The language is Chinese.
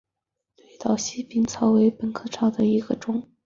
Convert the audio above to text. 绿岛细柄草为禾本科细柄草属下的一个种。